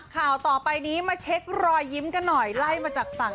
ข่าวต่อไปนี้มาเช็ครอยยิ้มกันหน่อยไล่มาจากฝั่ง